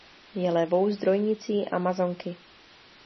Je levou zdrojnicí Amazonky.